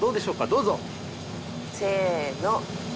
どうぞ！せーの。